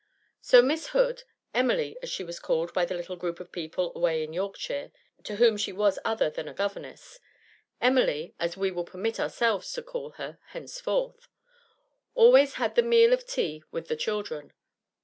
So Miss Hood Emily, as she was called by the little group of people away in Yorkshire, to whom she was other than a governess; Emily; as we will permit ourselves to call her henceforth always had the meal of tea with the children.